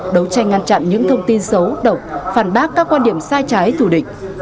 đấu tranh ngăn chặn những thông tin xấu độc phản bác các quan điểm sai trái thù địch